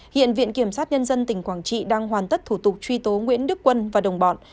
hiện viện kiểm sát nhân dân tỉnh quảng trị đang hoàn tất thủ tục truy tố nguyễn đức quân và đồng bọn